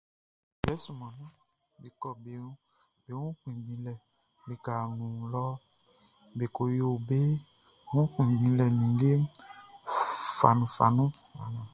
Blɛ sunman nunʼn, be kɔ be wun kpinngbinlɛ likaʼn nun lɔ be ko yo be wun kpinngbinlɛ nin ninnge fanunfanun.